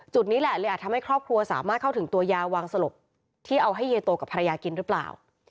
นี้แหละเลยอาจทำให้ครอบครัวสามารถเข้าถึงตัวยาวางสลบที่เอาให้เยโตกับภรรยากินหรือเปล่า